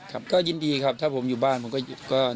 ครับก็ยินดีครับถ้าผมอยู่บ้านผมก็